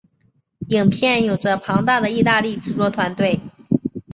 影片有着庞大的意大利制作团队。